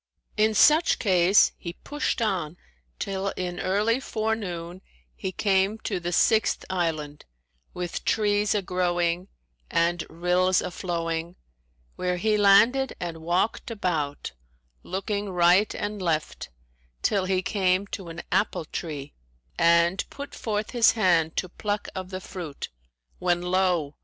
In such case he pushed on till in early forenoon he came to the sixth island, with trees a growing and rills a flowing, where he landed and walked about, looking right and left, till he came to an apple tree and put forth his hand to pluck of the fruit, when lo!